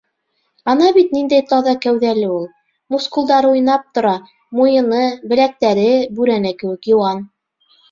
Ана бит ниндәй таҙа кәүҙәле ул, мускулдары уйнап тора, муйыны, беләктәре бүрәнә кеүек йыуан.